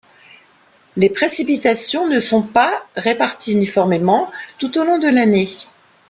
Les précipitations ne sont pas réparties uniformément tout au long de l'année.